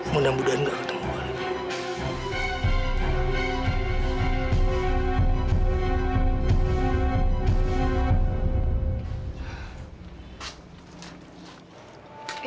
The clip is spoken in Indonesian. mudah mudahan gak ketemu lagi